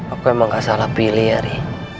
aku emang gak salah pilih ya ri